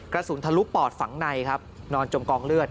ทะลุปอดฝังในครับนอนจมกองเลือด